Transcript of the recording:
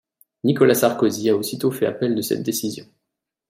Nicolas Sarkozy a aussitôt fait appel de cette décision.